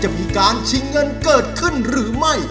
จะมีการชิงเงินเกิดขึ้นหรือไม่